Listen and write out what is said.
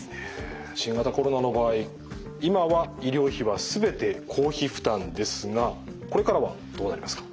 新型コロナの場合今は医療費は全て公費負担ですがこれからはどうなりますか？